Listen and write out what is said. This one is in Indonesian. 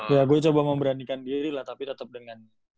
ya gue coba memberanikan diri lah tapi tetap dengan